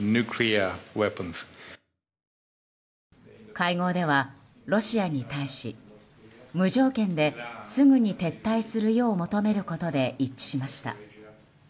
会合では、ロシアに対し無条件ですぐに撤退するよう求めることで一致しました。